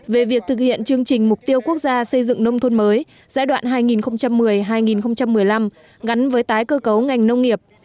về việc thực hiện chương trình mục tiêu quốc gia xây dựng nông thôn mới giai đoạn hai nghìn một mươi hai nghìn một mươi năm gắn với tái cơ cấu ngành nông nghiệp